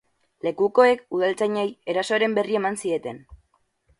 Lekukoek udaltzainei erasoaren berri eman zieten.